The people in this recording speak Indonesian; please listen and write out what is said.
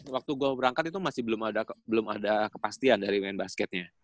waktu gua berangkat itu masih belum ada kepastian dari main basketnya